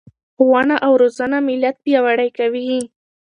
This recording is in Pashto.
ښوونه او روزنه ملت پیاوړی کوي.